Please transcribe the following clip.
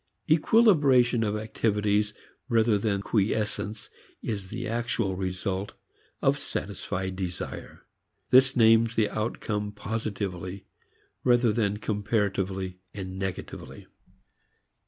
Equilibration of activities rather than quiescence is the actual result of satisfied desire. This names the outcome positively, rather than comparatively and negatively.